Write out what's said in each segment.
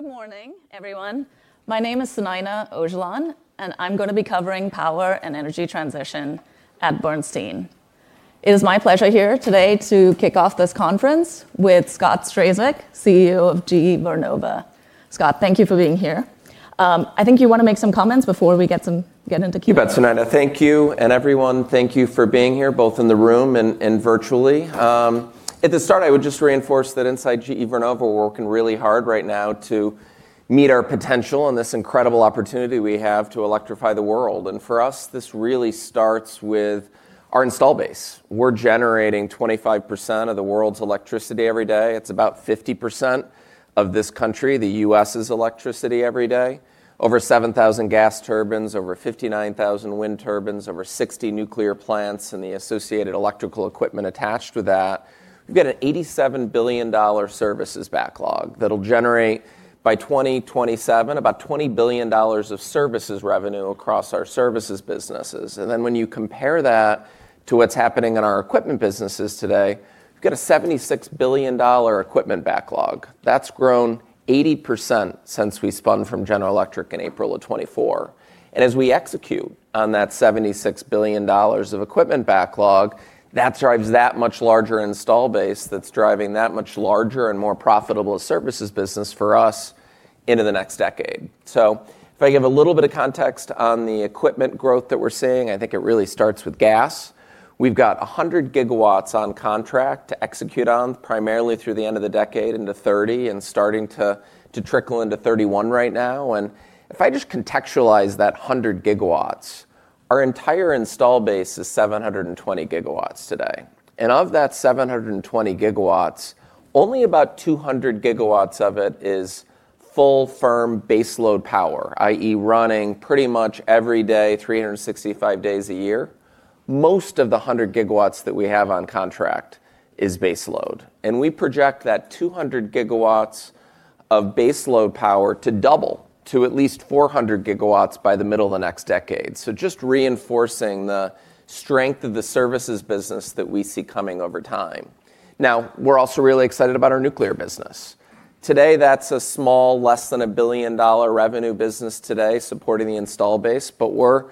Good morning, everyone. My name is Sunaina Ocalan, and I'm going to be covering power and energy transition at Bernstein. It is my pleasure here today to kick off this conference with Scott Strazik, CEO of GE Vernova. Scott, thank you for being here. I think you want to make some comments before we get into Q&A. You bet, Sunaina. Thank you. Everyone, thank you for being here, both in the room and virtually. To start, I would just reinforce that inside GE Vernova, we're working really hard right now to meet our potential and this incredible opportunity we have to electrify the world. For us, this really starts with our install base. We're generating 25% of the world's electricity every day. It's about 50% of this country, the U.S.'s electricity every day. Over 7,000 gas turbines, over 59,000 wind turbines, over 60 nuclear plants, and the associated electrical equipment attached to that. We've got an $87 billion services backlog that'll generate by 2027, about $20 billion of services revenue across our services businesses. Then when you compare that to what's happening in our equipment businesses today, we've got a $76 billion equipment backlog. That's grown 80% since we spun from General Electric in April of 2024. As we execute on that $76 billion of equipment backlog, that drives that much larger install base, that's driving that much larger and more profitable services business for us into the next decade. If I give a little bit of context on the equipment growth that we're seeing, I think it really starts with gas. We've got 100 GW on contract to execute on, primarily through the end of the decade into 2030 and starting to trickle into 2031 right now. If I just contextualize that 100 GW, our entire install base is 720 GW today. Of that 720 GW, only about 200 GW of it is full, firm baseload power, i.e., running pretty much every day, 365 days a year. Most of the 100 GW that we have on contract is baseload. We project that 200 GW of baseload power to double to at least 400 GW by the middle of the next decade. Just reinforcing the strength of the services business that we see coming over time. Now, we're also really excited about our nuclear business. Today, that's a small, less than a $1 billion revenue business today supporting the install base, but we're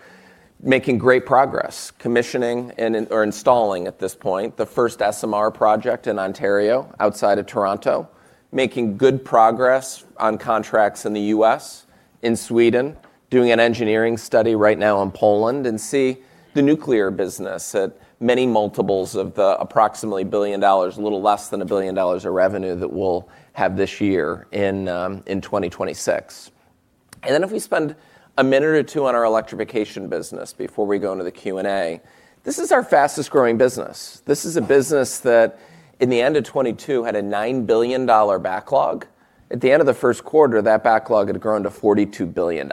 making great progress commissioning or installing at this point, the first SMR project in Ontario outside of Toronto, making good progress on contracts in the U.S., in Sweden, doing an engineering study right now in Poland, and see the nuclear business at many multiples of the approximately $1 billion, a little less than $1 billion of revenue that we'll have this year in 2026. If we spend a minute or two on our electrification business before we go into the Q&A, this is our fastest-growing business. This is a business that in the end of 2022, had a $9 billion backlog. At the end of the first quarter, that backlog had grown to $42 billion.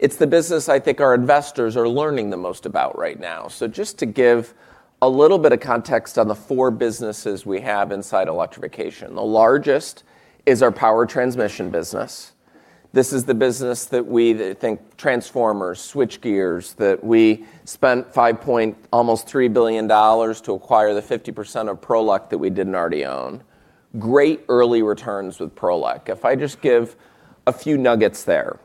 It's the business I think our investors are learning the most about right now. Just to give a little bit of context on the four businesses we have inside electrification. The largest is our power transmission business. This is the business that we think transformers, switchgears, that we spent almost $3 billion to acquire the 50% of Prolec GE that we didn't already own. Great early returns with Prolec GE. If I just give a few nuggets there.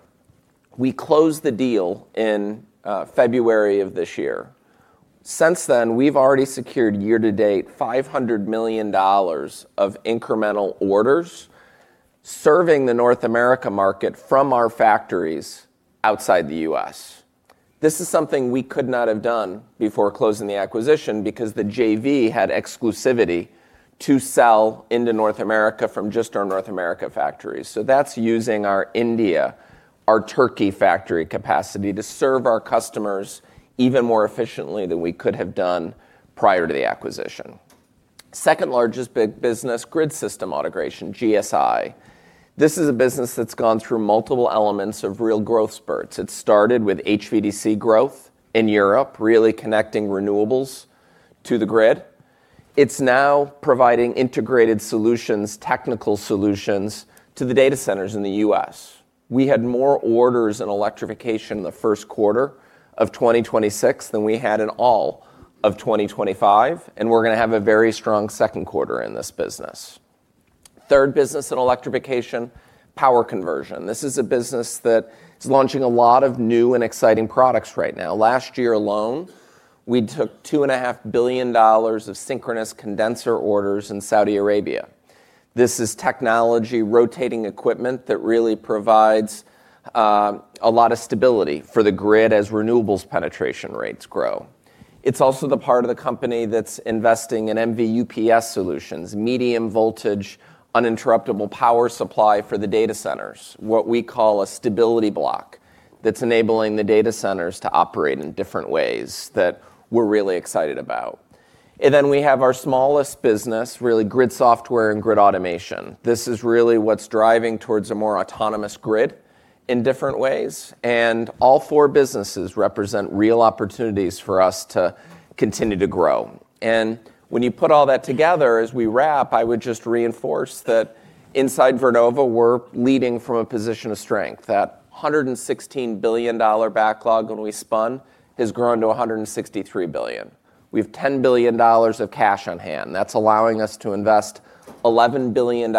We closed the deal in February of this year. Since then, we've already secured year to date, $500 million of incremental orders serving the North America market from our factories outside the U.S. This is something we could not have done before closing the acquisition because the JV had exclusivity to sell into North America from just our North America factories. That's using our India, our Turkey factory capacity to serve our customers even more efficiently than we could have done prior to the acquisition. Second largest big business, grid system integration, GSI. This is a business that's gone through multiple elements of real growth spurts. It started with HVDC growth in Europe, really connecting renewables to the grid. It's now providing integrated solutions, technical solutions to the data centers in the U.S. We had more orders in Electrification in the first quarter of 2026 than we had in all of 2025. We're going to have a very strong second quarter in this business. Third business in Electrification, Power Conversion. This is a business that is launching a lot of new and exciting products right now. Last year alone, we took $2.5 billion of synchronous condenser orders in Saudi Arabia. This is technology, rotating equipment that really provides a lot of stability for the grid as renewables penetration rates grow. It's also the part of the company that's investing in MV UPS solutions, medium voltage uninterruptible power supply for the data centers, what we call a Stability Block that's enabling the data centers to operate in different ways that we're really excited about. We have our smallest business, really, Grid Software and Grid Automation. This is really what's driving towards a more autonomous grid in different ways. All four businesses represent real opportunities for us to continue to grow. When you put all that together, as we wrap, I would just reinforce that inside Vernova, we're leading from a position of strength. That $116 billion backlog when we spun has grown to $163 billion. We have $10 billion of cash on hand. That's allowing us to invest $11 billion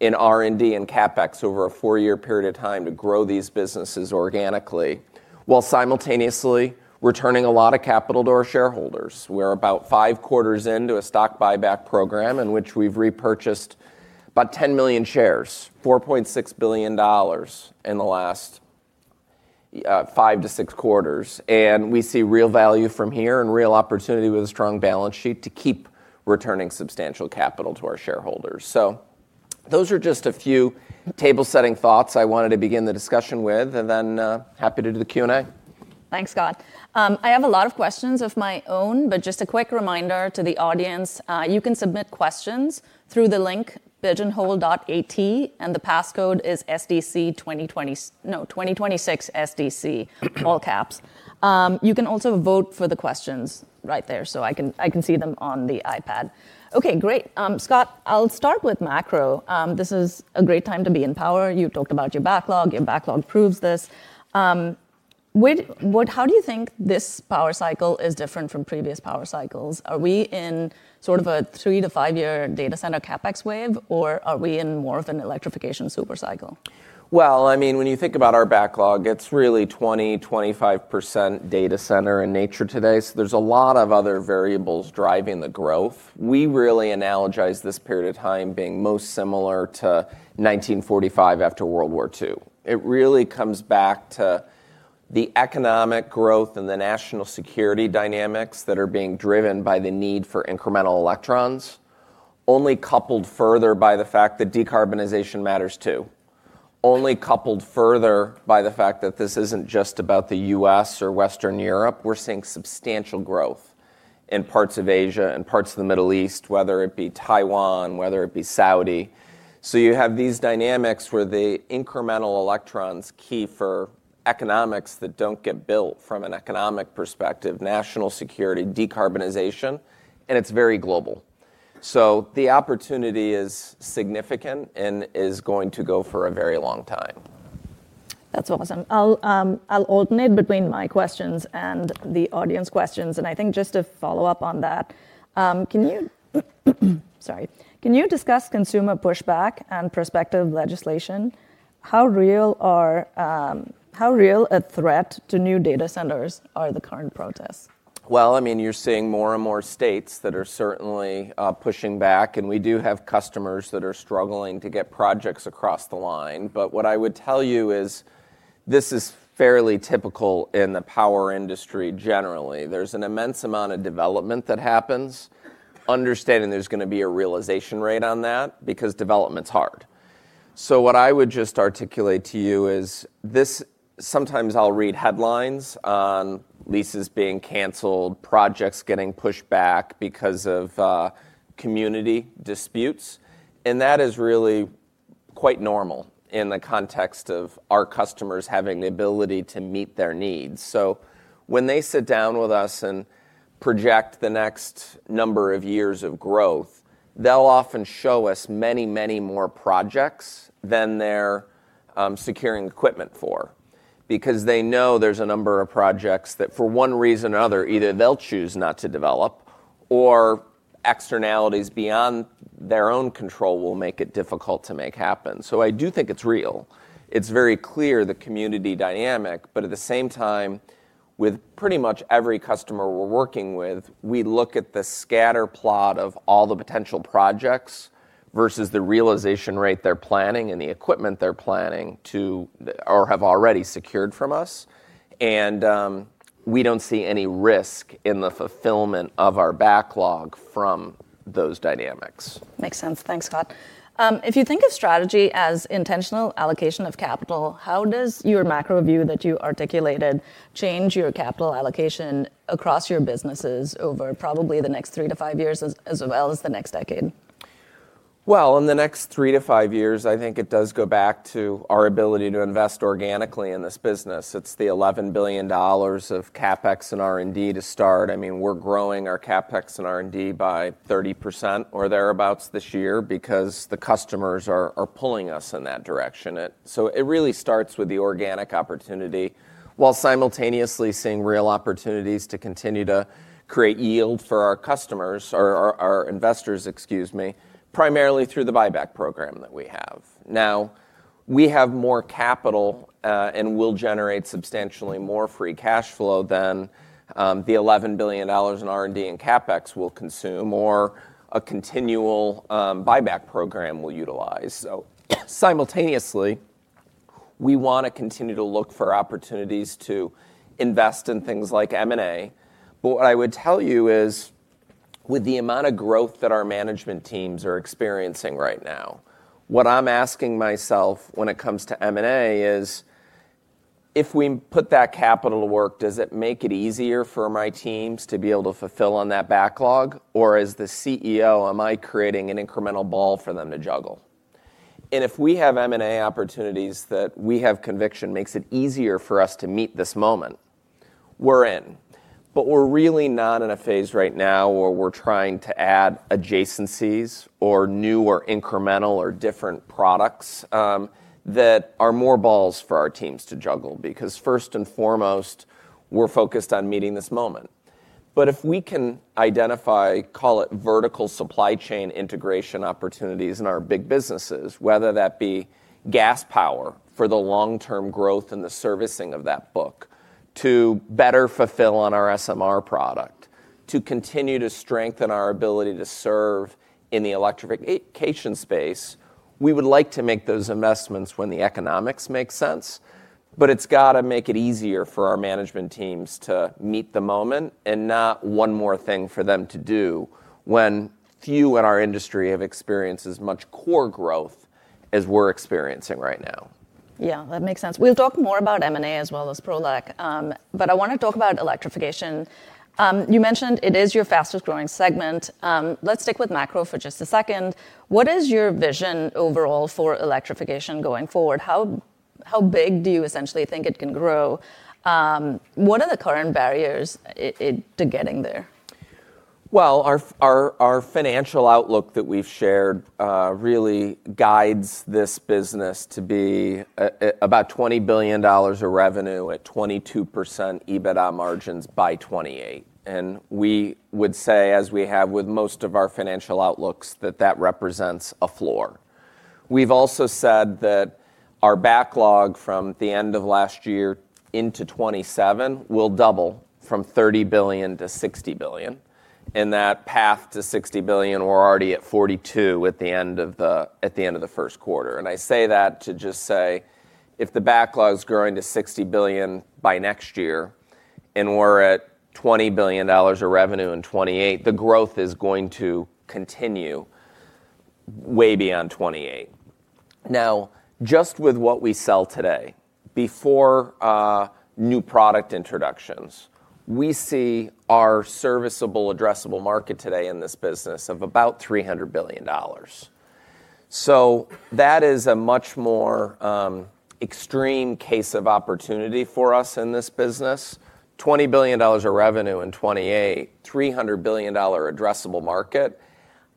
in R&D and CapEx over a four-year period of time to grow these businesses organically, while simultaneously returning a lot of capital to our shareholders. We're about 5 quarters into a stock buyback program in which we've repurchased about 10 million shares, $4.6 billion in the last five to six quarters. We see real value from here and real opportunity with a strong balance sheet to keep returning substantial capital to our shareholders. Those are just a few table-setting thoughts I wanted to begin the discussion with, and then, happy to do the Q&A. Thanks, Scott. I have a lot of questions of my own, but just a quick reminder to the audience, you can submit questions through the link pigeonhole.at, and the passcode is SDC 2026 SDC, all caps. You can also vote for the questions right there so I can see them on the iPad. Okay, great. Scott, I'll start with macro. This is a great time to be in power. You've talked about your backlog, your backlog proves this. How do you think this power cycle is different from previous power cycles? Are we in sort of a three to five year data center CapEx wave, or are we in more of an electrification super cycle? Well, when you think about our backlog, it's really 20%-25% data center in nature today. There's a lot of other variables driving the growth. We really analogize this period of time being most similar to 1945 after World War II. It really comes back to the economic growth and the national security dynamics that are being driven by the need for incremental electrons, only coupled further by the fact that decarbonization matters, too. Only coupled further by the fact that this isn't just about the U.S. or Western Europe. We're seeing substantial growth in parts of Asia and parts of the Middle East, whether it be Taiwan, whether it be Saudi. You have these dynamics where the incremental electron's key for economics that don't get built from an economic perspective, national security, decarbonization, and it's very global. The opportunity is significant and is going to go for a very long time. That's awesome. I'll alternate between my questions and the audience questions. I think just to follow up on that, can you discuss consumer pushback on prospective legislation? How real a threat to new data centers are the current protests? You're seeing more and more states that are certainly pushing back, and we do have customers that are struggling to get projects across the line. What I would tell you is this is fairly typical in the power industry generally. There's an immense amount of development that happens. Understanding there's going to be a realization rate on that, because development's hard. What I would just articulate to you is sometimes I'll read headlines on leases being canceled, projects getting pushed back because of community disputes, and that is really quite normal in the context of our customers having the ability to meet their needs. When they sit down with us and project the next number of years of growth, they'll often show us many more projects than they're securing equipment for because they know there's a number of projects that for one reason or another, either they'll choose not to develop or externalities beyond their own control will make it difficult to make happen. I do think it's real. It's very clear, the community dynamic, but at the same time, with pretty much every customer we're working with, we look at the scatter plot of all the potential projects versus the realization rate they're planning and the equipment they're planning to or have already secured from us. We don't see any risk in the fulfillment of our backlog from those dynamics. Makes sense. Thanks, Scott. If you think of strategy as intentional allocation of capital, how does your macro view that you articulated change your capital allocation across your businesses over probably the next three to five years as well as the next decade? In the next three to five years, I think it does go back to our ability to invest organically in this business. It's the $11 billion of CapEx and R&D to start. We're growing our CapEx and R&D by 30% or thereabouts this year because the customers are pulling us in that direction. It really starts with the organic opportunity, while simultaneously seeing real opportunities to continue to create yield for our investors, primarily through the buyback program that we have. We have more capital, and we'll generate substantially more free cash flow than the $11 billion in R&D and CapEx we'll consume or a continual buyback program we'll utilize. Simultaneously, we want to continue to look for opportunities to invest in things like M&A. What I would tell you is with the amount of growth that our management teams are experiencing right now, what I'm asking myself when it comes to M&A is if we put that capital to work, does it make it easier for my teams to be able to fulfill on that backlog? As the CEO, am I creating an incremental ball for them to juggle? If we have M&A opportunities that we have conviction makes it easier for us to meet this moment, we're in. We're really not in a phase right now where we're trying to add adjacencies or new or incremental or different products that are more balls for our teams to juggle because first and foremost, we're focused on meeting this moment. If we can identify, call it vertical supply chain integration opportunities in our big businesses, whether that be gas power for the long-term growth and the servicing of that book to better fulfill on our SMR product, to continue to strengthen our ability to serve in the electrification space, we would like to make those investments when the economics make sense, but it's got to make it easier for our management teams to meet the moment and not one more thing for them to do when few in our industry have experienced as much core growth as we're experiencing right now. Yeah, that makes sense. We'll talk more about M&A as well as Prolec, but I want to talk about Electrification. You mentioned it is your fastest-growing segment. Let's stick with macro for just a second. What is your vision overall for Electrification going forward? How big do you essentially think it can grow? What are the current barriers to getting there? Well, our financial outlook that we've shared really guides this business to be about $20 billion of revenue at 22% EBITDA margins by 2028. We would say, as we have with most of our financial outlooks, that that represents a floor. We've also said that our backlog from the end of last year into 2027 will double from $30 billion to $60 billion, and that path to $60 billion, we're already at $42 billion at the end of the first quarter. I say that to just say if the backlog's growing to $60 billion by next year, and we're at $20 billion of revenue in 2028, the growth is going to continue way beyond 2028. Now, just with what we sell today, before new product introductions, we see our serviceable addressable market today in this business of about $300 billion. That is a much more extreme case of opportunity for us in this business, $20 billion of revenue in 2028, $300 billion addressable market.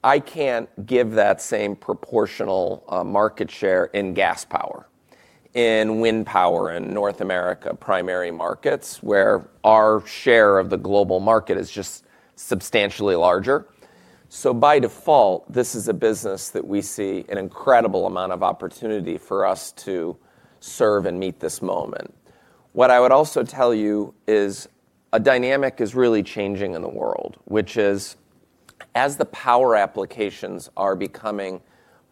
I can't give that same proportional market share in gas power, in wind power in North America primary markets, where our share of the global market is just substantially larger. By default, this is a business that we see an incredible amount of opportunity for us to serve and meet this moment. What I would also tell you is a dynamic is really changing in the world, which is as the power applications are becoming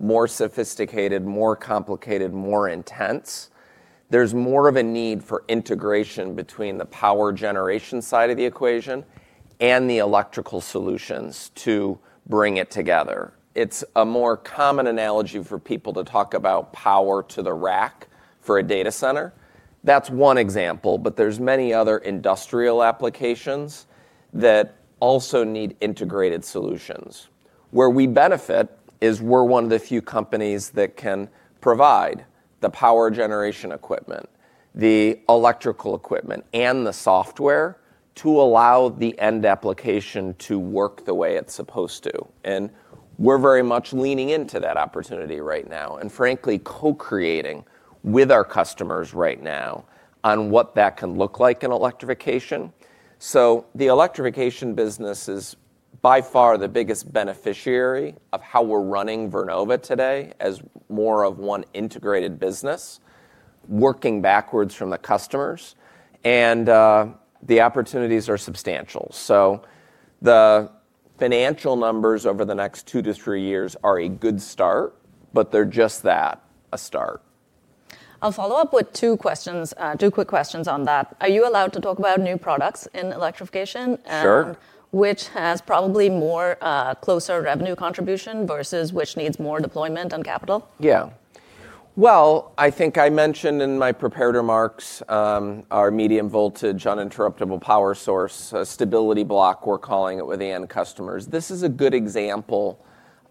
more sophisticated, more complicated, more intense, there's more of a need for integration between the power generation side of the equation and the electrical solutions to bring it together. It's a more common analogy for people to talk about power to the rack for a data center. That's one example, but there's many other industrial applications that also need integrated solutions. Where we benefit is we're one of the few companies that can provide the power generation equipment, the electrical equipment, and the software to allow the end application to work the way it's supposed to. We're very much leaning into that opportunity right now, and frankly, co-creating with our customers right now on what that can look like in electrification. The electrification business is by far the biggest beneficiary of how we're running Vernova today as more of one integrated business working backwards from the customers, and the opportunities are substantial. The financial numbers over the next two to three years are a good start, but they're just that, a start. I'll follow up with two quick questions on that. Are you allowed to talk about new products in Electrification? Sure. Which has probably more closer revenue contribution versus which needs more deployment on capital? Well, I think I mentioned in my prepared remarks, our medium voltage uninterruptible power source, Stability Block, we're calling it with the end customers. This is a good example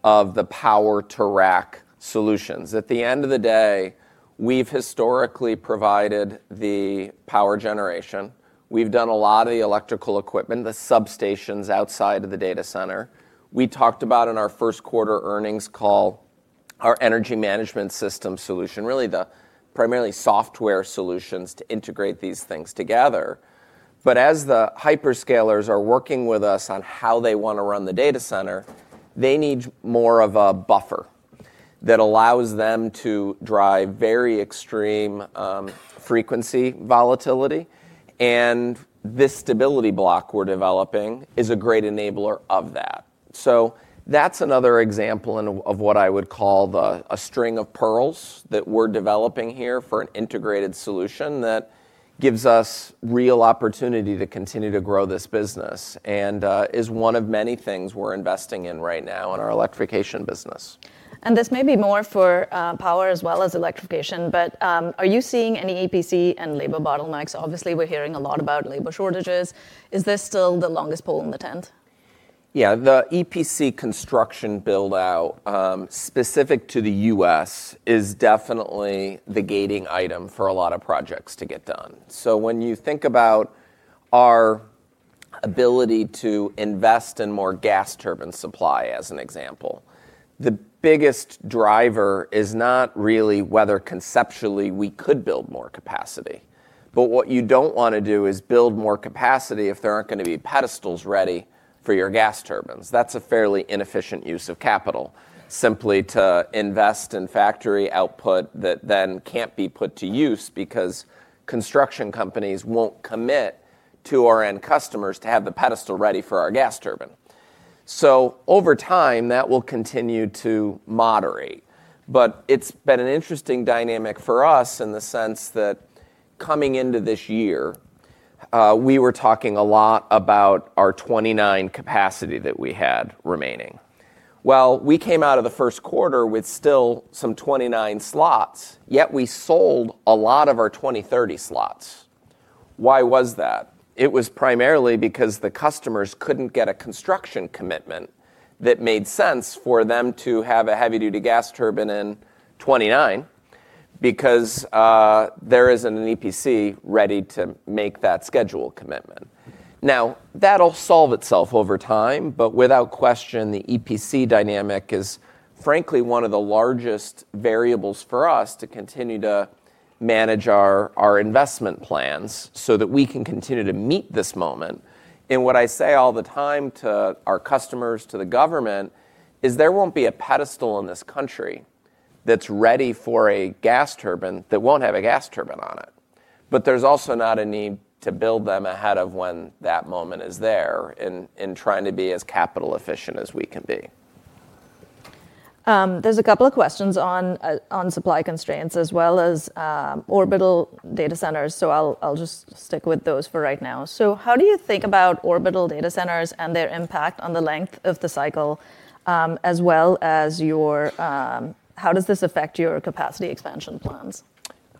of the power to rack solutions. At the end of the day, we've historically provided the power generation. We've done a lot of the electrical equipment, the substations outside of the data center. We talked about in our first quarter earnings call, our Energy Management System solution, really the primarily software solutions to integrate these things together. As the hyperscalers are working with us on how they want to run the data center, they need more of a buffer that allows them to drive very extreme frequency volatility, and this Stability Block we're developing is a great enabler of that. That's another example of what I would call a string of pearls that we're developing here for an integrated solution that gives us real opportunity to continue to grow this business and is one of many things we're investing in right now in our electrification business. This may be more for power as well as electrification, but are you seeing any EPC and labor bottlenecks? Obviously, we're hearing a lot about labor shortages. Is this still the longest pole in the tent? Yeah. The EPC construction build-out, specific to the U.S., is definitely the gating item for a lot of projects to get done. When you think about our ability to invest in more gas turbine supply, as an example, the biggest driver is not really whether conceptually we could build more capacity. What you don't want to do is build more capacity if there aren't going to be pedestals ready for your gas turbines. That's a fairly inefficient use of capital, simply to invest in factory output that then can't be put to use because construction companies won't commit to our end customers to have the pedestal ready for our gas turbine. Over time, that will continue to moderate. It's been an interesting dynamic for us in the sense that coming into this year, we were talking a lot about our 2029 capacity that we had remaining. Well, we came out of the first quarter with still some 2029 slots, yet we sold a lot of our 2030 slots. Why was that? It was primarily because the customers couldn't get a construction commitment that made sense for them to have a heavy-duty gas turbine in 2029, because there isn't an EPC ready to make that schedule commitment. That'll solve itself over time, but without question, the EPC dynamic is frankly one of the largest variables for us to continue to manage our investment plans so that we can continue to meet this moment. What I say all the time to our customers, to the government, is there won't be a pedestal in this country that's ready for a gas turbine that won't have a gas turbine on it. There's also not a need to build them ahead of when that moment is there in trying to be as capital efficient as we can be. There's a couple of questions on supply constraints as well as orbital data centers, I'll just stick with those for right now. How do you think about orbital data centers and their impact on the length of the cycle? As well as how does this affect your capacity expansion plans?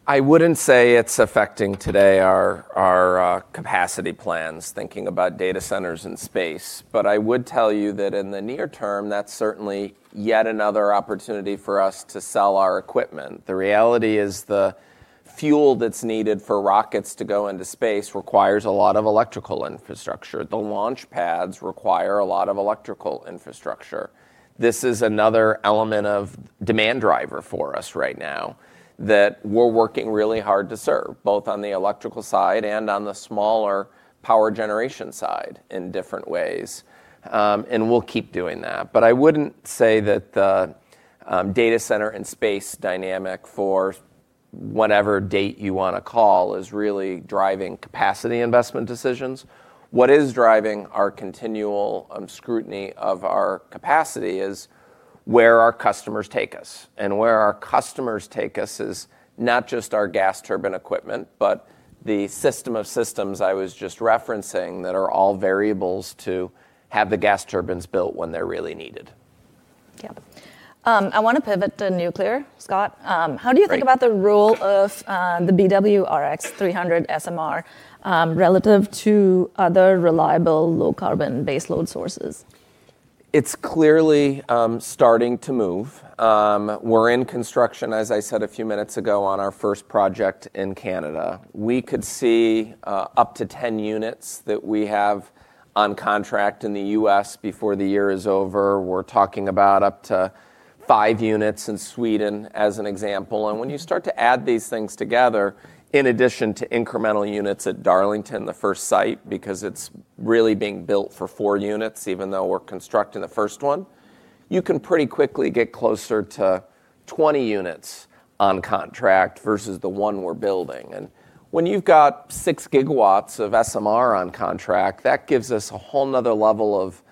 I wouldn't say it's affecting today our capacity plans, thinking about data centers in space. I would tell you that in the near term, that's certainly yet another opportunity for us to sell our equipment. The reality is the fuel that's needed for rockets to go into space requires a lot of electrical infrastructure. The launch pads require a lot of electrical infrastructure. This is another element of demand driver for us right now that we're working really hard to serve, both on the electrical side and on the smaller power generation side in different ways. We'll keep doing that, but I wouldn't say that the data center and space dynamic for whatever date you want to call is really driving capacity investment decisions. What is driving our continual scrutiny of our capacity is where our customers take us, and where our customers take us is not just our gas turbine equipment, but the system of systems I was just referencing that are all variables to have the gas turbines built when they're really needed. Yeah. I want to pivot to nuclear, Scott. Great. How do you think about the role of the BWRX-300 SMR relative to other reliable low carbon base load sources? It's clearly starting to move. We're in construction, as I said a few minutes ago, on our first project in Canada. We could see up to 10 units that we have on contract in the U.S. before the year is over. We're talking about up to five units in Sweden as an example. When you start to add these things together, in addition to incremental units at Darlington, the first site, because it's really being built for four units even though we're constructing the first one, you can pretty quickly get closer to 20 units on contract versus the one we're building. When you've got six gigawatts of SMR on contract, that gives us a whole other level of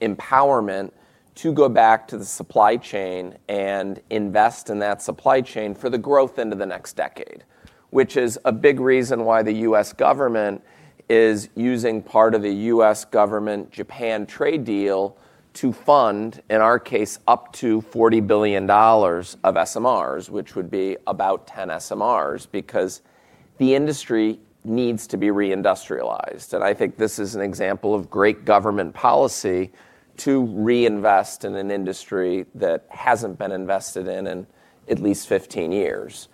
empowerment to go back to the supply chain and invest in that supply chain for the growth into the next decade, which is a big reason why the U.S. government is using part of the U.S. government Japan trade deal to fund, in our case, up to $40 billion of SMRs, which would be about 10 SMRs, because the industry needs to be re-industrialized. I think this is an example of great government policy to reinvest in an industry that hasn't been invested in in at least 15 years.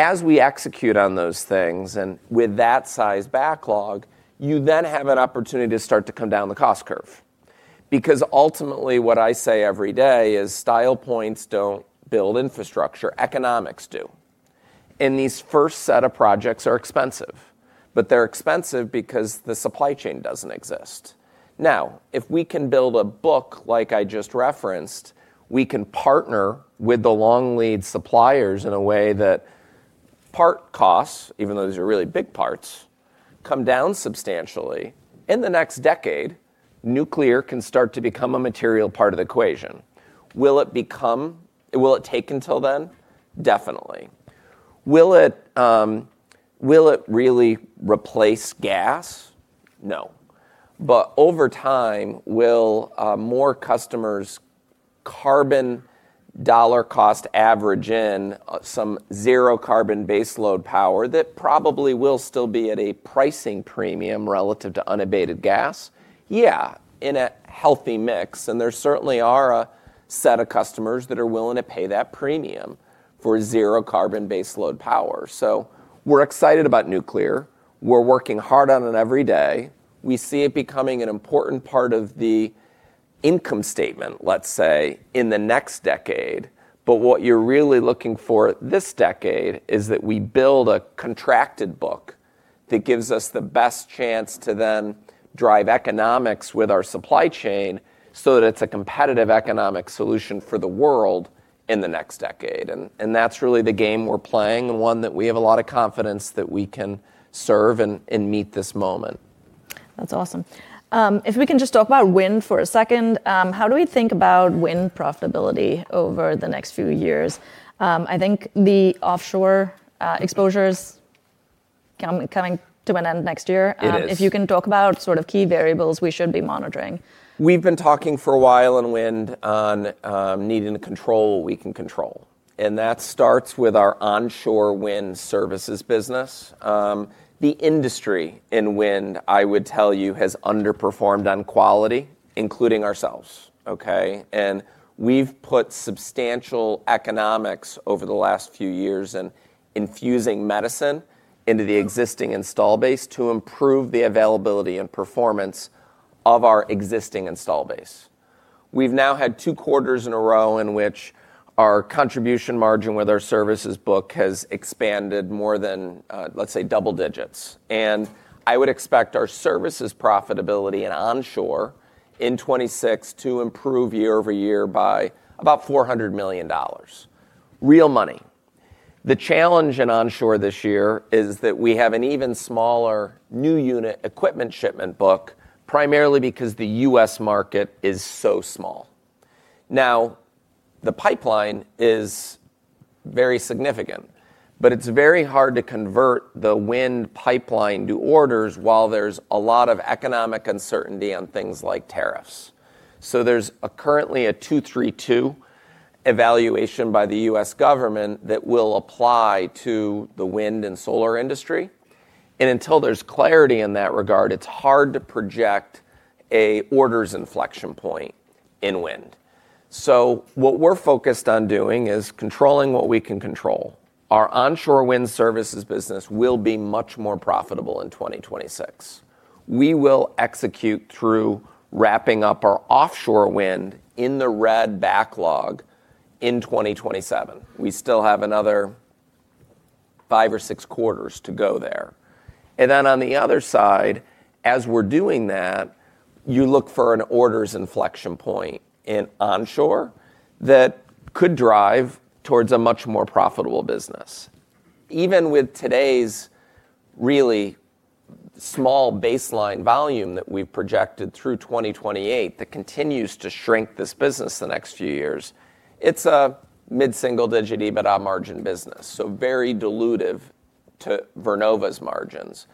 As we execute on those things, and with that size backlog, you then have an opportunity to start to come down the cost curve. Ultimately what I say every day is style points don't build infrastructure, economics do. These first set of projects are expensive, but they're expensive because the supply chain doesn't exist. If we can build a book like I just referenced, we can partner with the long lead suppliers in a way that part costs, even though these are really big parts, come down substantially. In the next decade, nuclear can start to become a material part of the equation. Will it take until then? Definitely. Will it really replace gas? No. Over time, will more customers' carbon dollar cost average in some zero carbon base load power that probably will still be at a pricing premium relative to unabated gas? Yeah, in a healthy mix, and there certainly are a set of customers that are willing to pay that premium for zero carbon base load power. We're excited about nuclear. We're working hard on it every day. We see it becoming an important part of the income statement, let's say, in the next decade. What you're really looking for this decade is that we build a contracted book that gives us the best chance to then drive economics with our supply chain so that it's a competitive economic solution for the world in the next decade. That's really the game we're playing, and one that we have a lot of confidence that we can serve and meet this moment. That's awesome. We can just talk about wind for a second, how do we think about wind profitability over the next few years? I think the offshore exposure's coming to an end next year. It is. If you can talk about key variables we should be monitoring. We've been talking for a while on wind on needing to control what we can control. That starts with our onshore wind services business. The industry in wind, I would tell you, has underperformed on quality, including ourselves. Okay? We've put substantial economics over the last few years in infusing medicine into the existing install base to improve the availability and performance of our existing install base. We've now had two quarters in a row in which our contribution margin with our services book has expanded more than, let's say, double digits. I would expect our services profitability in onshore in 2026 to improve year-over-year by about $400 million. Real money. The challenge in onshore this year is that we have an even smaller new unit equipment shipment book, primarily because the U.S. market is so small. Now, the pipeline is very significant, but it's very hard to convert the wind pipeline to orders while there's a lot of economic uncertainty on things like tariffs. There's currently a 232 evaluation by the U.S. government that will apply to the wind and solar industry, and until there's clarity in that regard, it's hard to project a orders inflection point in wind. What we're focused on doing is controlling what we can control. Our onshore wind services business will be much more profitable in 2026. We will execute through wrapping up our offshore wind in the red backlog in 2027. We still have another five or six quarters to go there. On the other side, as we're doing that, you look for an orders inflection point in onshore that could drive towards a much more profitable business. Even with today's really small baseline volume that we've projected through 2028 that continues to shrink this business the next few years, it's a mid-single-digit EBITA margin business, so very dilutive to Vernova's margins.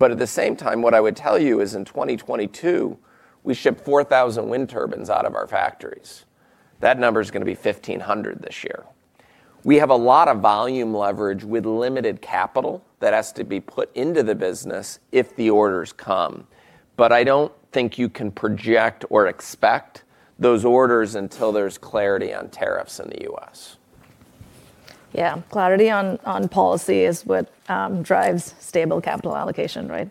At the same time, what I would tell you is in 2022, we shipped 4,000 wind turbines out of our factories. That number's going to be 1,500 this year. We have a lot of volume leverage with limited capital that has to be put into the business if the orders come. I don't think you can project or expect those orders until there's clarity on tariffs in the U.S. Yeah. Clarity on policy is what drives stable capital allocation, right?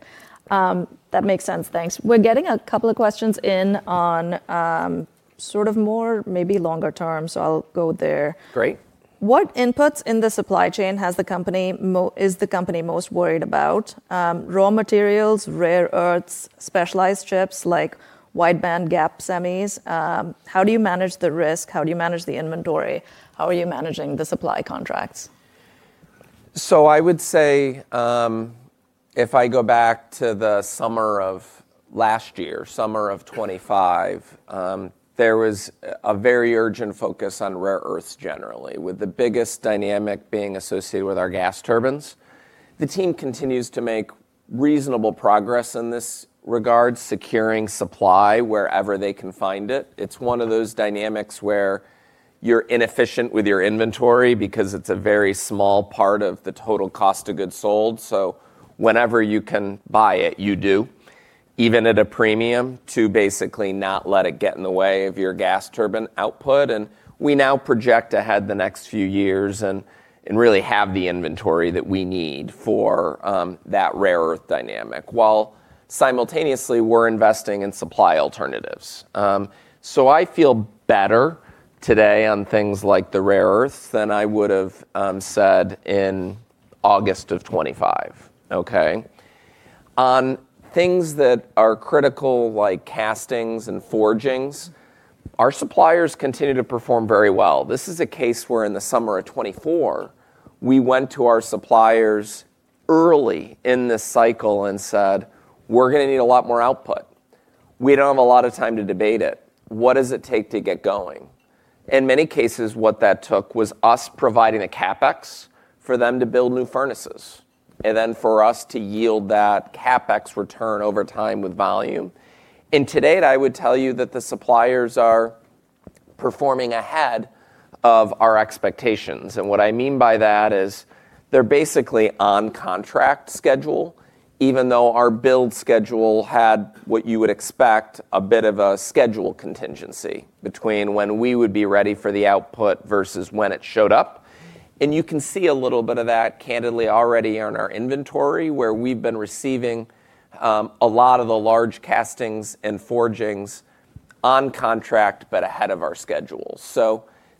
That makes sense. Thanks. We're getting a couple of questions in on sort of more, maybe longer term. I'll go there. Great. What inputs in the supply chain is the company most worried about? Raw materials, rare earths, specialized chips like wide-bandgap semis. How do you manage the risk? How do you manage the inventory? How are you managing the supply contracts? I would say, if I go back to the summer of last year, summer of 2025, there was a very urgent focus on rare earths generally, with the biggest dynamic being associated with our gas turbines. The team continues to make reasonable progress in this regard, securing supply wherever they can find it. It's one of those dynamics where you're inefficient with your inventory because it's a very small part of the total cost of goods sold. Whenever you can buy it, you do, even at a premium, to basically not let it get in the way of your gas turbine output. We now project ahead the next few years and really have the inventory that we need for that rare earth dynamic, while simultaneously we're investing in supply alternatives. I feel better today on things like the rare earths than I would have said in August of 2025. Okay? On things that are critical, like castings and forgings, our suppliers continue to perform very well. This is a case where in the summer of 2024, we went to our suppliers early in this cycle and said, "We're going to need a lot more output. We don't have a lot of time to debate it. What does it take to get going?" In many cases, what that took was us providing a CapEx for them to build new furnaces, and then for us to yield that CapEx return over time with volume. To date, I would tell you that the suppliers are performing ahead of our expectations. What I mean by that is they're basically on contract schedule, even though our build schedule had what you would expect, a bit of a schedule contingency between when we would be ready for the output versus when it showed up. You can see a little bit of that candidly already in our inventory, where we've been receiving a lot of the large castings and forgings on contract, but ahead of our schedule.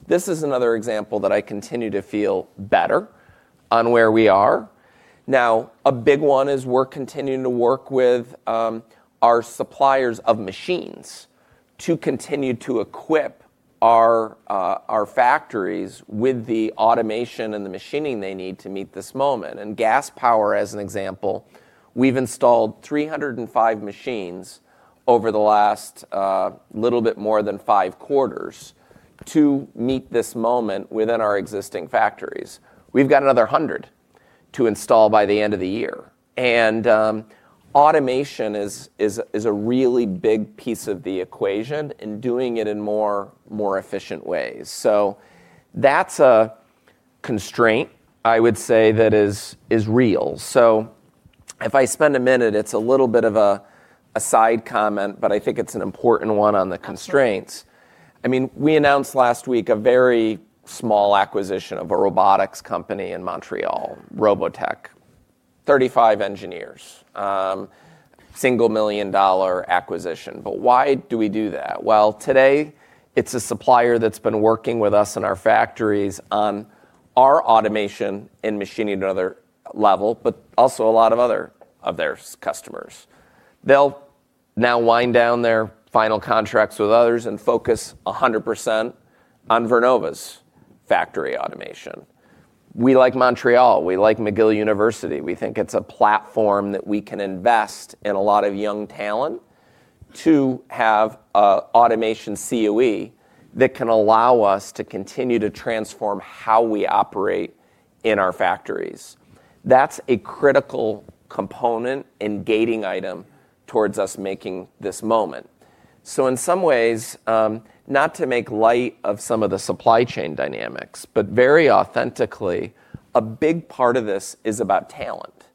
This is another example that I continue to feel better on where we are. Now, a big one is we're continuing to work with our suppliers of machines to continue to equip our factories with the automation and the machining they need to meet this moment. In gas power, as an example, we've installed 305 machines over the last little bit more than five quarters to meet this moment within our existing factories. We've got another 100 to install by the end of the year. Automation is a really big piece of the equation and doing it in more efficient ways. That's a constraint, I would say, that is real. If I spend a minute, it's a little bit of a side comment, but I think it's an important one on the constraints. I mean, we announced last week a very small acquisition of a robotics company in Montreal, Robotech. 35 engineers, single million-dollar acquisition. Why do we do that? Well, today, it's a supplier that's been working with us in our factories on our automation and machining at another level, but also a lot of other of their customers. They'll now wind down their final contracts with others and focus 100% on Vernova's factory automation. We like Montreal. We like McGill University. We think it's a platform that we can invest in a lot of young talent to have automation COE that can allow us to continue to transform how we operate in our factories. That's a critical component and gating item towards us making this moment. In some ways, not to make light of some of the supply chain dynamics, but very authentically, a big part of this is about talent,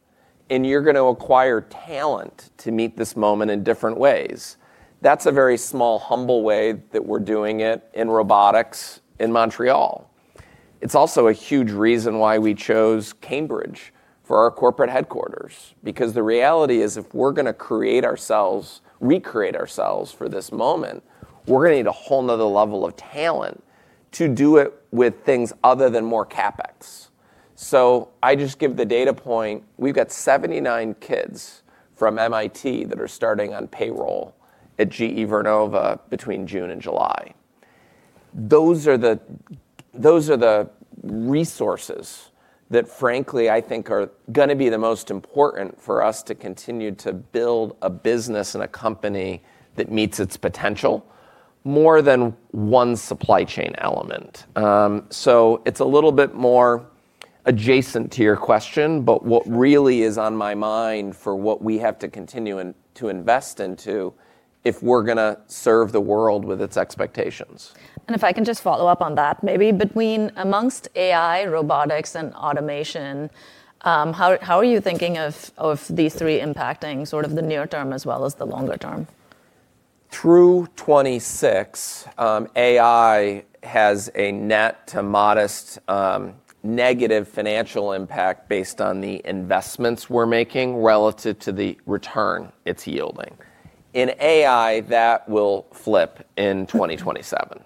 and you're going to acquire talent to meet this moment in different ways. That's a very small, humble way that we're doing it in robotics in Montreal. It's also a huge reason why we chose Cambridge for our corporate headquarters, because the reality is if we're going to recreate ourselves for this moment, we're going to need a whole other level of talent to do it with things other than more CapEx. I just give the data point. We've got 79 kids from MIT that are starting on payroll at GE Vernova between June and July. Those are the resources that, frankly, I think are going to be the most important for us to continue to build a business and a company that meets its potential more than one supply chain element. It's a little bit more adjacent to your question, but what really is on my mind for what we have to continue to invest into if we're going to serve the world with its expectations. If I can just follow up on that maybe. Amongst AI, robotics, and automation, how are you thinking of these three impacting sort of the near term as well as the longer term? Through 2026, AI has a net to modest negative financial impact based on the investments we're making relative to the return it's yielding. In AI, that will flip in 2027.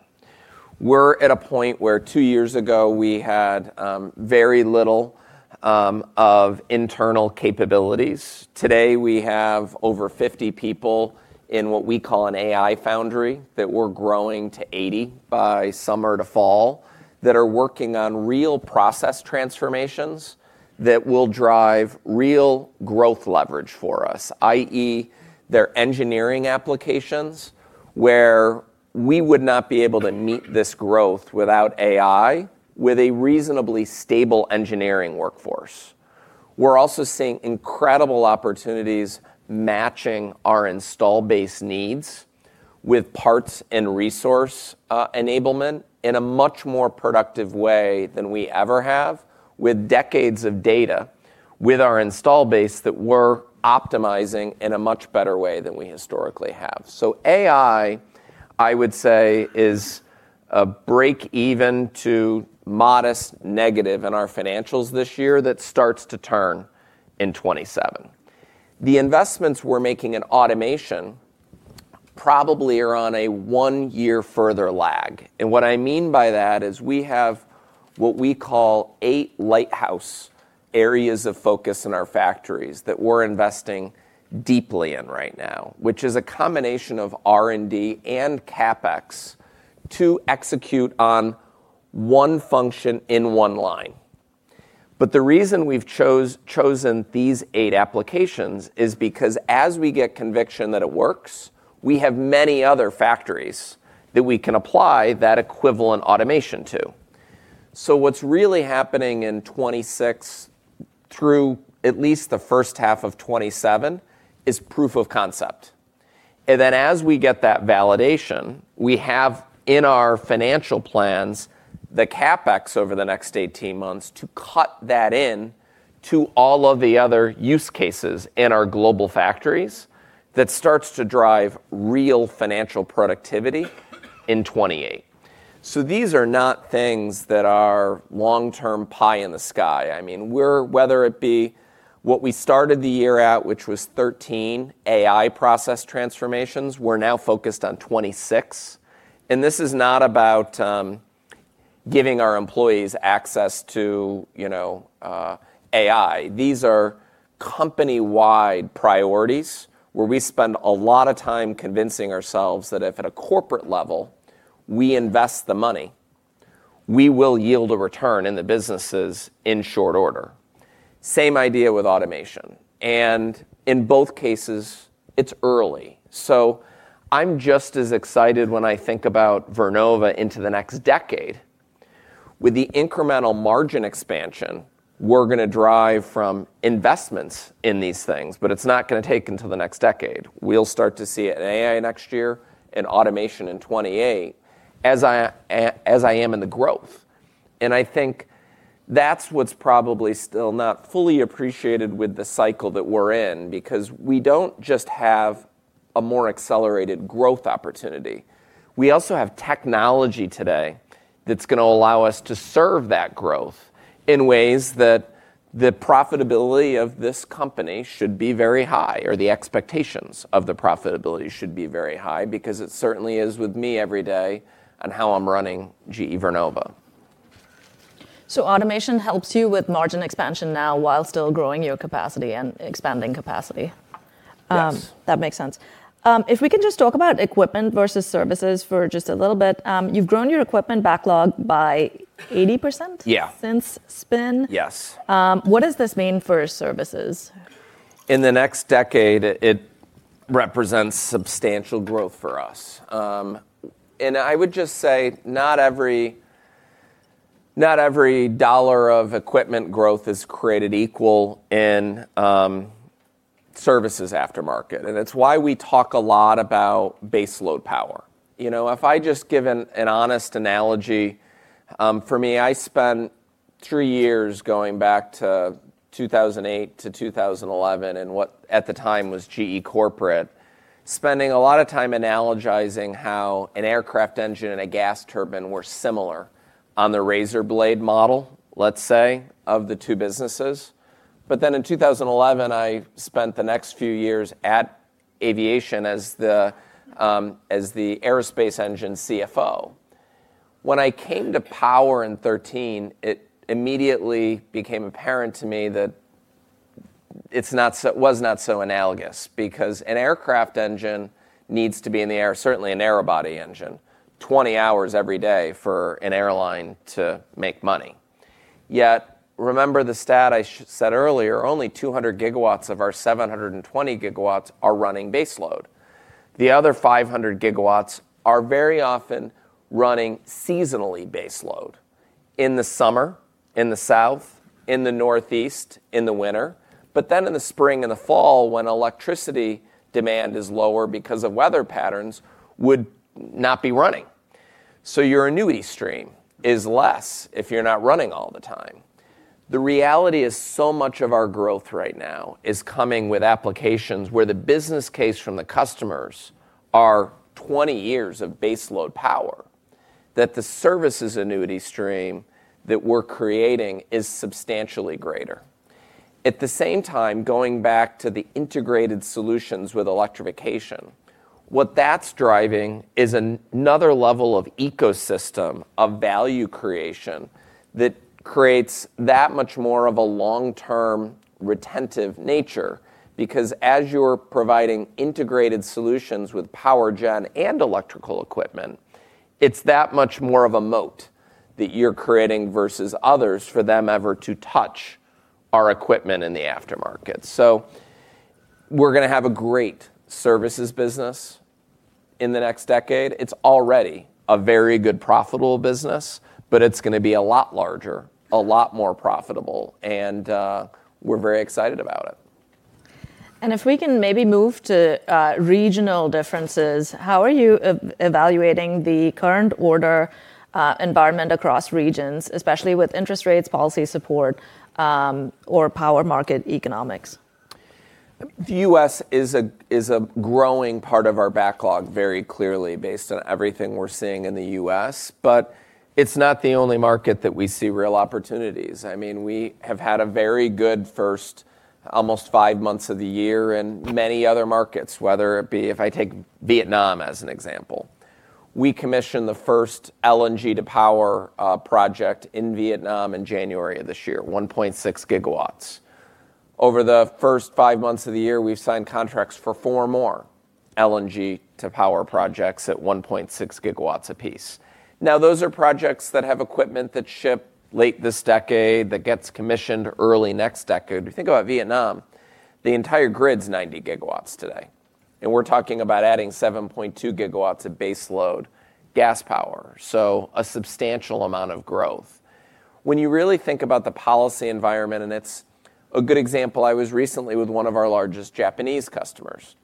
We're at a point where two years ago, we had very little of internal capabilities. Today, we have over 50 people in what we call an AI Foundry that we're growing to 80 by summer to fall that are working on real process transformations that will drive real growth leverage for us, i.e., they're engineering applications where we would not be able to meet this growth without AI with a reasonably stable engineering workforce. We're also seeing incredible opportunities matching our install base needs with parts and resource enablement in a much more productive way than we ever have with decades of data with our install base that we're optimizing in a much better way than we historically have. AI, I would say, is a break-even to modest negative in our financials this year. That starts to turn in 2027. The investments we're making in automation probably are on a one-year further lag. What I mean by that is we have what we call eight lighthouse areas of focus in our factories that we're investing deeply in right now, which is a combination of R&D and CapEx to execute on one function in one line. The reason we've chosen these eight applications is because as we get conviction that it works, we have many other factories that we can apply that equivalent automation to. What's really happening in 2026 through at least the first half of 2027 is proof of concept. As we get that validation, we have in our financial plans the CapEx over the next 18 months to cut that into all of the other use cases in our global factories that starts to drive real financial productivity in 2028. These are not things that are long-term pie in the sky. Whether it be what we started the year at, which was 13 AI process transformations, we're now focused on 26. This is not about giving our employees access to AI. These are company-wide priorities where we spend a lot of time convincing ourselves that if at a corporate level we invest the money, we will yield a return in the businesses in short order. Same idea with automation. In both cases, it's early. I'm just as excited when I think about Vernova into the next decade with the incremental margin expansion we're going to drive from investments in these things, but it's not going to take until the next decade. We'll start to see it in AI next year, in automation in 2028, as I am in the growth. I think that's what's probably still not fully appreciated with the cycle that we're in because we don't just have a more accelerated growth opportunity. We also have technology today that's going to allow us to serve that growth in ways that the profitability of this company should be very high, or the expectations of the profitability should be very high because it certainly is with me every day on how I'm running GE Vernova. Automation helps you with margin expansion now while still growing your capacity and expanding capacity. Yes. That makes sense. If we can just talk about equipment versus services for just a little bit. You've grown your equipment backlog by 80%? Yeah. Since spin. Yes. What does this mean for services? In the next decade, it represents substantial growth for us. I would just say not every dollar of equipment growth is created equal in services aftermarket. It's why we talk a lot about base load power. If I just give an honest analogy, for me, I spent three years going back to 2008-2011 in what at the time was GE Corporate, spending a lot of time analogizing how an aircraft engine and a gas turbine were similar on the razor blade model, let's say, of the two businesses. In 2011, I spent the next few years at Aviation as the aerospace engine CFO. When I came to Power in 2013, it immediately became apparent to me that it was not so analogous because an aircraft engine needs to be in the air, certainly an aerospace engine, 20 hours every day for an airline to make money. Remember the stat I said earlier, only 200 GW of our 720 GW are running base load. The other 500 GW are very often running seasonally base load, in the summer, in the south, in the northeast, in the winter. In the spring and the fall when electricity demand is lower because of weather patterns, would not be running. Your annuity stream is less if you're not running all the time. The reality is so much of our growth right now is coming with applications where the business case from the customers are 20 years of base load power, that the services annuity stream that we're creating is substantially greater. At the same time, going back to the integrated solutions with electrification, what that's driving is another level of ecosystem of value creation that creates that much more of a long-term retentive nature. As you're providing integrated solutions with power gen and electrical equipment, it's that much more of a moat that you're creating versus others for them ever to touch our equipment in the aftermarket. We're going to have a great services business in the next decade. It's already a very good, profitable business, it's going to be a lot larger, a lot more profitable, and we're very excited about it. If we can maybe move to regional differences, how are you evaluating the current order environment across regions, especially with interest rates, policy support, or power market economics? The U.S. is a growing part of our backlog very clearly based on everything we're seeing in the U.S., but it's not the only market that we see real opportunities. We have had a very good first almost five months of the year in many other markets, whether it be if I take Vietnam as an example. We commissioned the first LNG to power project in Vietnam in January of this year, 1.6 GW. Over the first five months of the year, we've signed contracts for four more LNG to power projects at 1.6 GW a piece. Now, those are projects that have equipment that ship late this decade, that gets commissioned early next decade. If you think about Vietnam, the entire grid's 90 GW today, and we're talking about adding 7.2 GW of base load gas power, so a substantial amount of growth. When you really think about the policy environment, and it's a good example, I was recently with one of our largest Japanese customers.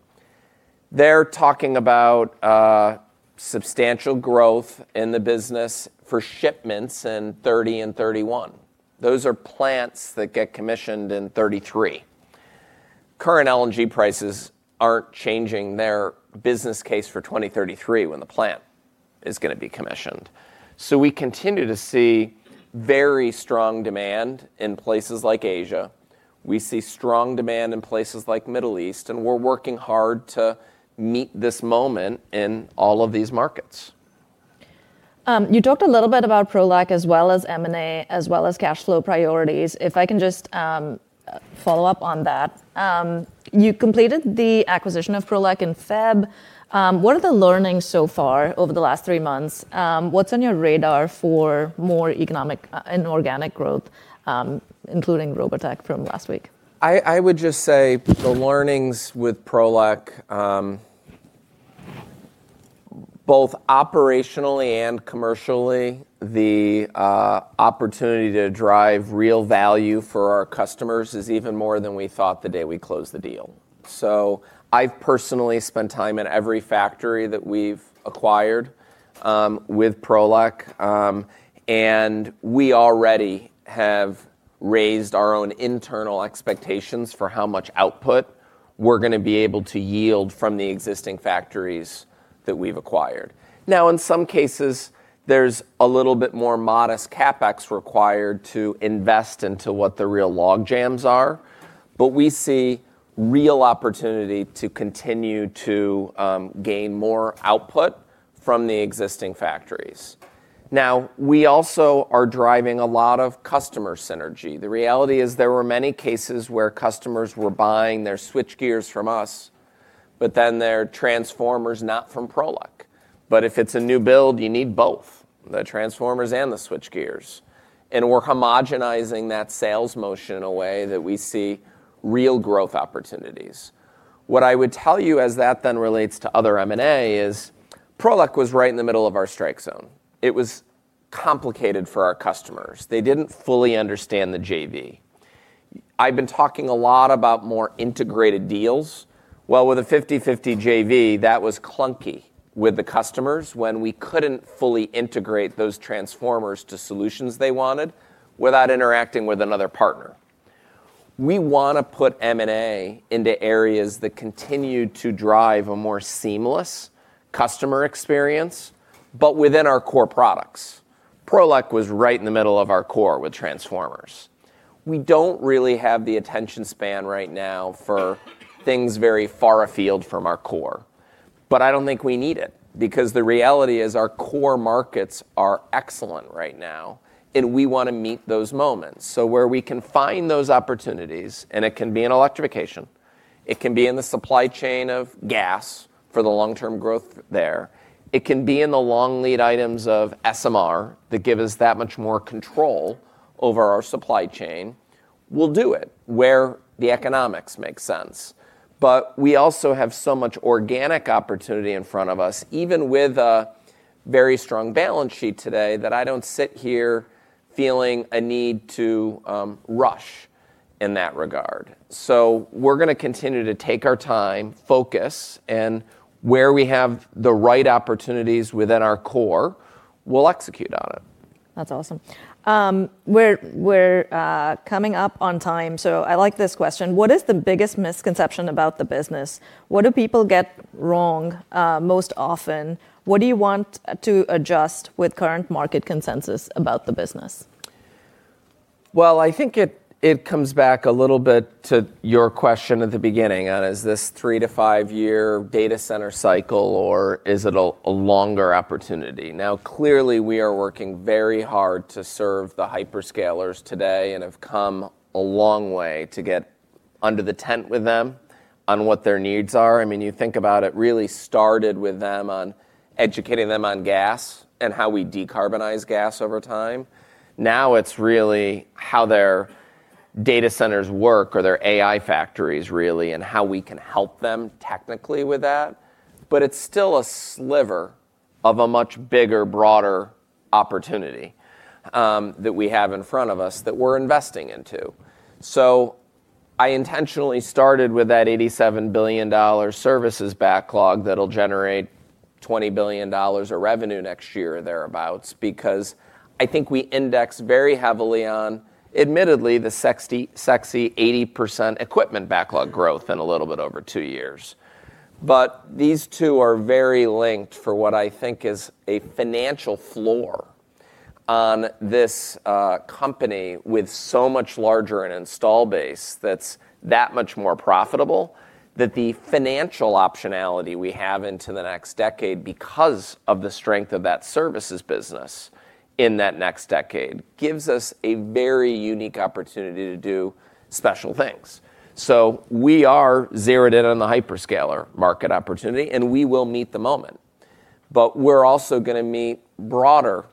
They're talking about substantial growth in the business for shipments in 2030 and 2031. Those are plants that get commissioned in 2033. Current LNG prices aren't changing their business case for 2033 when the plant is going to be commissioned. We continue to see very strong demand in places like Asia. We see strong demand in places like Middle East, and we're working hard to meet this moment in all of these markets. You talked a little bit about Prolec as well as M&A, as well as cash flow priorities. If I can just follow up on that. You completed the acquisition of Prolec in February. What are the learnings so far over the last three months? What's on your radar for more economic and organic growth, including Robotech from last week? I would just say the learnings with Prolec, both operationally and commercially, the opportunity to drive real value for our customers is even more than we thought the day we closed the deal. I've personally spent time in every factory that we've acquired with Prolec, and we already have raised our own internal expectations for how much output we're going to be able to yield from the existing factories that we've acquired. In some cases, there's a little bit more modest CapEx required to invest into what the real log jams are, but we see real opportunity to continue to gain more output from the existing factories. We also are driving a lot of customer synergy. The reality is there were many cases where customers were buying their switchgears from us, but then their transformers not from Prolec. If it's a new build, you need both, the transformers and the switchgears. We're homogenizing that sales motion in a way that we see real growth opportunities. What I would tell you as that then relates to other M&A is Prolec was right in the middle of our strike zone. It was complicated for our customers. They didn't fully understand the JV. I've been talking a lot about more integrated deals. With a 50/50 JV, that was clunky with the customers when we couldn't fully integrate those transformers to solutions they wanted without interacting with another partner. We want to put M&A into areas that continue to drive a more seamless customer experience, but within our core products. Prolec was right in the middle of our core with transformers. We don't really have the attention span right now for things very far afield from our core, but I don't think we need it because the reality is our core markets are excellent right now, and we want to meet those moments. So where we can find those opportunities, and it can be in electrification, it can be in the supply chain of gas for the long-term growth there, it can be in the long lead items of SMR that give us that much more control over our supply chain. We'll do it where the economics make sense. But we also have so much organic opportunity in front of us, even with a very strong balance sheet today, that I don't sit here feeling a need to rush in that regard. We're going to continue to take our time, focus, and where we have the right opportunities within our core, we'll execute on it. That's awesome. We're coming up on time, so I like this question. What is the biggest misconception about the business? What do people get wrong most often? What do you want to adjust with current market consensus about the business? Well, I think it comes back a little bit to your question at the beginning. Is this three to five-year data center cycle or is it a longer opportunity? Now, clearly, we are working very hard to serve the hyperscalers today and have come a long way to get under the tent with them on what their needs are. You think about it really started with them on educating them on gas and how we decarbonize gas over time. Now it's really how their data centers work or their AI factories really, and how we can help them technically with that. It's still a sliver of a much bigger, broader opportunity that we have in front of us that we're investing into. I intentionally started with that $87 billion services backlog that'll generate $20 billion of revenue next year or thereabouts because I think we index very heavily on, admittedly, the sexy 80% equipment backlog growth in a little bit over two years. These two are very linked for what I think is a financial floor on this company with so much larger an install base that's that much more profitable, that the financial optionality we have into the next decade because of the strength of that services business in that next decade gives us a very unique opportunity to do special things. We are zeroed in on the hyperscaler market opportunity, and we will meet the moment. We're also going to meet broader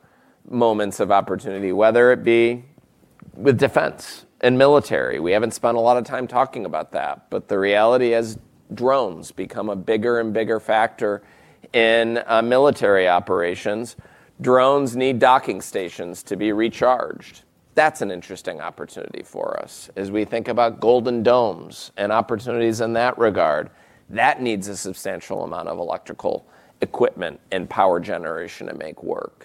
moments of opportunity, whether it be with defense and military. We haven't spent a lot of time talking about that, but the reality as drones become a bigger and bigger factor in military operations, drones need docking stations to be recharged. That's an interesting opportunity for us as we think about golden domes and opportunities in that regard. That needs a substantial amount of electrical equipment and power generation to make work.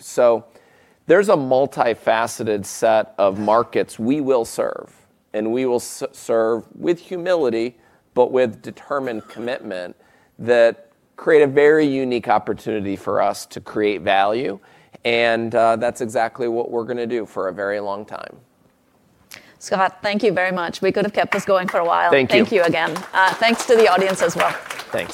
There's a multifaceted set of markets we will serve, and we will serve with humility but with determined commitment that create a very unique opportunity for us to create value, and that's exactly what we're going to do for a very long time. Scott, thank you very much. We could have kept this going for a while. Thank you. Thank you again. Thanks to the audience as well. Thank you.